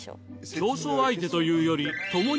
競争相手というより。